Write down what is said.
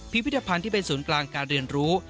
พิพิธภัณฑ์ที่เป็นศูนย์กลางการเรียนรู้